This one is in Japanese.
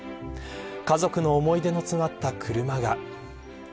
家族の思い出が詰まった車が。